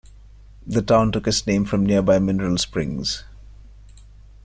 The town took its name from nearby mineral springs.